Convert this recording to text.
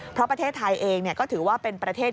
เพราะประเทศไทยเองก็ถือว่าเป็นประเทศ